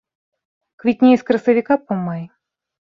Квітнее з красавіка па май.